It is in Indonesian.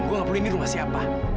gue nggak perlu lihat di rumah siapa